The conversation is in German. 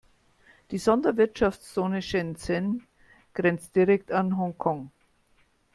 Die Sonderwirtschaftszone Shenzhen grenzt direkt an Hongkong.